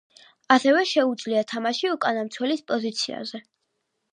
ასევე შუეძლია თამაში უკანა მცველის პოზიციაზე.